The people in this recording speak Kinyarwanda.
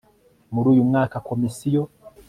Muri uyu mwaka Komisiyo